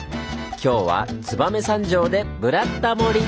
今日は燕三条で「ブラタモリ」！